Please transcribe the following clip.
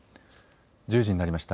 １０時になりました。